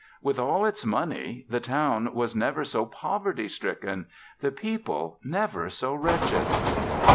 With all its money, the town was never so poverty stricken, the people never so wretched."